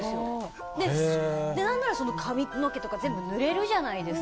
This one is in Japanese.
何なら髪の毛とか全部ぬれるじゃないですか。